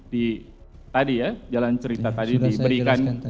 di tadi ya jalan cerita tadi diberikan